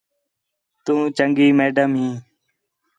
تُو چَنڳی میڈم ہیں